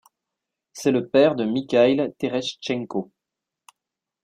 C'est le père de Mikhaïl Terechtchenko.